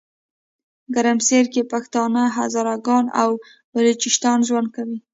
ګرمسیرکې پښتانه، هزاره ګان او بلوچان ژوند کوي.